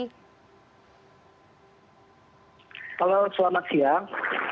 halo selamat siang